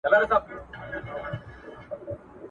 د سپينو د طلا رنګ دی